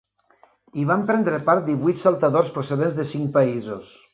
Hi van prendre part divuit saltadors procedents de cinc països.